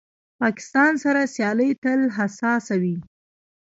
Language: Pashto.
پاکستان سره سیالي تل حساسه وي.